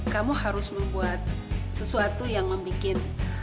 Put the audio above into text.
kamu harus membuat sesuatu yang membuat